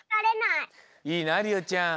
いいなりおちゃん